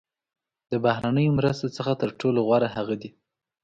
د بهرنیو مرستو څخه تر ټولو غوره هغه دي.